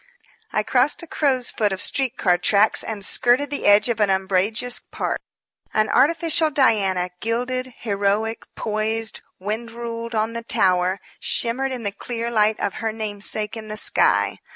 I crossed a crow's foot of street car tracks, and skirted the edge of an umbrageous park. An artificial Diana, gilded, heroic, poised, wind ruled, on the tower, shimmered in the clear light of her namesake in the sky.